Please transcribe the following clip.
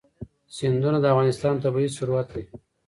سیندونه د افغانستان طبعي ثروت دی.